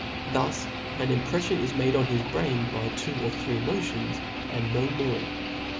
preflion is made on his brain by two or three mo* tions, and no more.